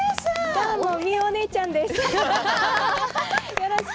どうもミウお姉ちゃんです。